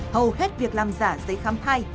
hầu hết việc làm giả giấy khám thai